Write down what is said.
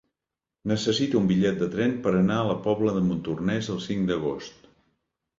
Necessito un bitllet de tren per anar a la Pobla de Montornès el cinc d'agost.